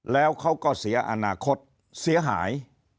แล้วเขาก็เสียอนาคตเสียหาย